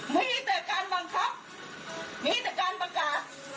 มีแต่การบังคับมีแต่การประกาศ